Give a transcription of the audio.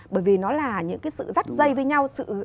bởi vì nó là những cái sự rắt dây với nhau